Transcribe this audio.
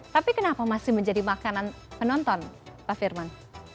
tapi kenapa masih menjadi makanan penonton pak firman